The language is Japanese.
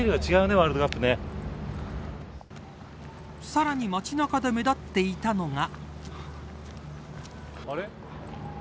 さらに街中で目立っていたのが。